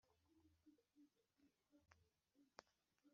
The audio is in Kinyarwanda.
uwananiwe kurengera abuhiye,